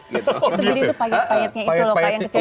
itu biding itu payet payetnya itu loh